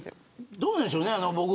どうなんでしょうね。